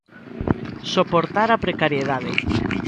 Soportar a precariedade.